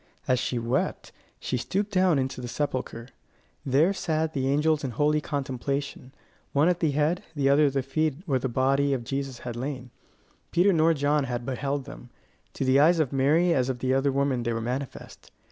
As she wept, she stooped down into the sepulchre. There sat the angels in holy contemplation, one at the head, the other at the feet where the body of Jesus had lain. Peter nor John had beheld them: to the eyes of Mary as of the other women they were manifest.